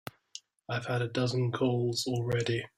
I've had a dozen calls already.